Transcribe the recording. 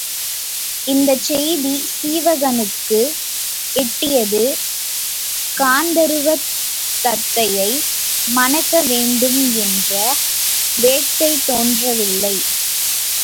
இந்தச் செய்தி சீவகனுக்கு எட்டியது காந்தருவ தத்தையை மணக்க வேண்டும் என்ற வேட்கை தோன்ற வில்லை.